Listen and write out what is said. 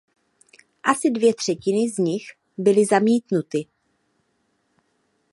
Asi dvě třetiny z nich byly zamítnuty.